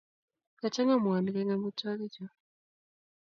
Kachang'a mwanik eng' amitwogichu.